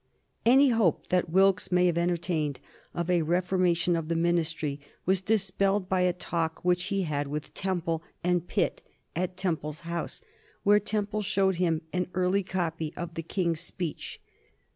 Any hope that Wilkes may have entertained of a reformation of the Ministry was dispelled by a talk which he had with Temple and Pitt at Temple's house, where Temple showed him an early copy of the King's speech.